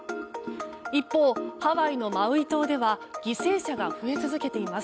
一方、ハワイのマウイ島では犠牲者が増え続けています。